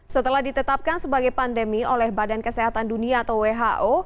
setelah ditetapkan sebagai pandemi oleh badan kesehatan dunia atau who